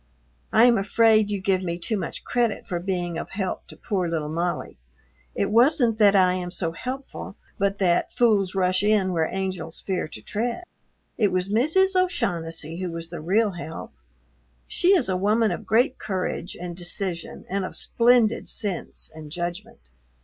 I am afraid you give me too much credit for being of help to poor little Molly. It wasn't that I am so helpful, but that "fools rush in where angels fear to tread." It was Mrs. O'Shaughnessy who was the real help. She is a woman of great courage and decision and of splendid sense and judgment.